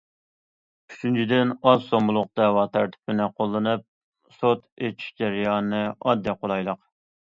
ئۈچىنچىدىن، ئاز سوممىلىق دەۋا تەرتىپىنى قوللىنىپ سوت ئېچىش جەريانى ئاددىي، قولايلىق.